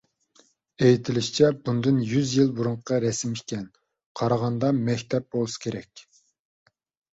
ئېيتىلىشىچە، بۇندىن يۈز يىل بۇرۇنقى رەسىم ئىكەن. قارىغاندا مەكتەپ بولسا كېرەك.